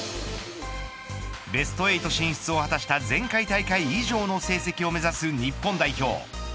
ベスト８進出を果たした前回大会以上の成績を目指す日本代表。